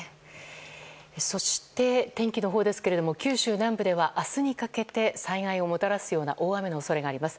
そして、天気は九州南部では明日にかけて災害をもたらすような大雨の恐れがあります。